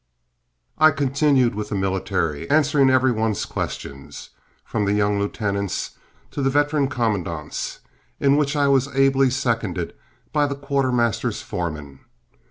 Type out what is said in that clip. I continued with the military, answering every one's questions, from the young lieutenant's to the veteran commandant's, in which I was ably seconded by the quartermaster's foreman.